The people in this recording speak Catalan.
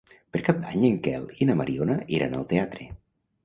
Per Cap d'Any en Quel i na Mariona iran al teatre.